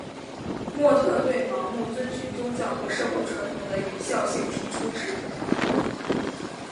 莫特对盲目遵循宗教和社会传统的有效性提出质疑。